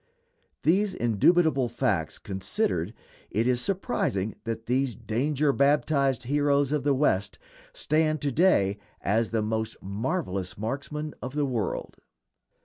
These indubitable facts considered, is it surprising that these danger baptized heroes of the West stand to day as the most marvelous marksmen of the world?